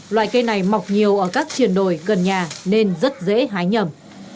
loại cây này mọc nhiều ở các triển đổi gần nhà nên rất dễ hái nhầm